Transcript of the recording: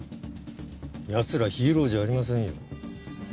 やつらヒーローじゃありませんよ